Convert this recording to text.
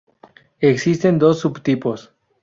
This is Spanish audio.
Existen dos subtipos.